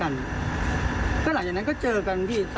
ขับออกครับ